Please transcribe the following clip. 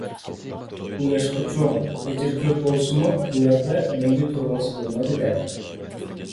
ئۇ ياشقا چوڭ، ئەجرى كۆپ بولسىمۇ، بۇ يەردە مەڭگۈ تۇرۇۋالسا بولمايدۇ - دە.